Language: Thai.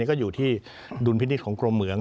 ก็อยู่ที่ดุลพินิษฐ์ของกรมเหมือง